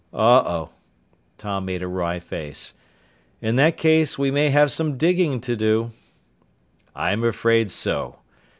"Oh oh." Tom made a wry face. "In that case, we may have some digging to do." "I'm afraid so.